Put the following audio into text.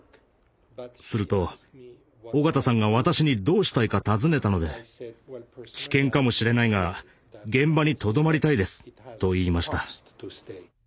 すると緒方さんが私にどうしたいか尋ねたので「危険かもしれないが現場にとどまりたいです」と言いました。